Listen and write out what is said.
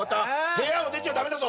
部屋を出ちゃ駄目だぞ。